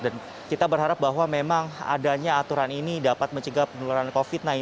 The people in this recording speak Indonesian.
dan kita berharap bahwa memang adanya aturan ini dapat mencegah penularan covid sembilan belas